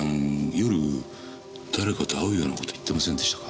夜誰かと会うような事言ってませんでしたか？